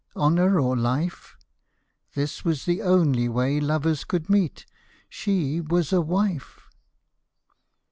Honour or life ? This was the only way lovers could meet — She was a wife.